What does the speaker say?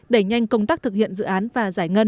đẩy nhanh công tác thực hiện dự án và giải ngân